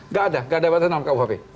nggak ada nggak ada batasan umku hp